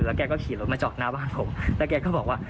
แกก็ขี่รถมาจอดหน้าบ้านผมแล้วแกก็บอกว่า